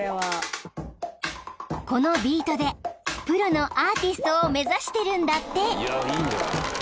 ［このビートでプロのアーティストを目指してるんだって］